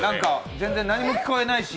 全然何も聞こえないし。